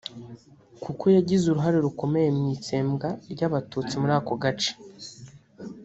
kuko yagize uruhare rukomeye mu itsembwa ry’abatutsi muri ako gace